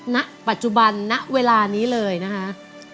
ณปัจจุบันณเวลานี้เลยนะคะ